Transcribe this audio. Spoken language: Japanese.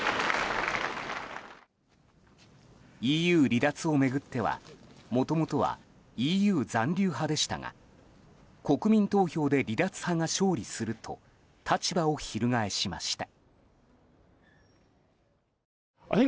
ＥＵ離脱を巡ってはもともとはＥＵ残留派でしたが国民投票で離脱派が勝利すると立場を翻しました。